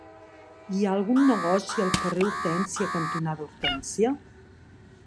Hi ha algun negoci al carrer Hortènsia cantonada Hortènsia?